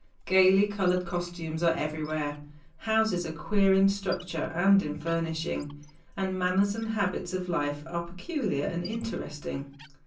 Gaily colored costumes are everywhere; houses are queer in structure and in furnishing; and manners and habits of life are peculiar and interesting.